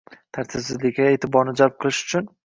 tartibsizliklarga e’tiborni jalb qilish uchun